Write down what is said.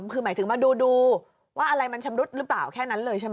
คือหมายถึงมาดูว่าอะไรมันชำรุดหรือเปล่าแค่นั้นเลยใช่ไหม